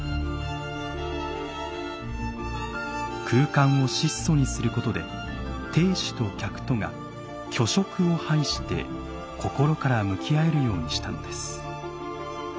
空間を質素にすることで亭主と客とが虚飾を排してこころから向き合えるようにしたのです。